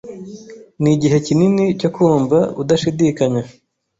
nigihe kinini cyo kumva udashidikanya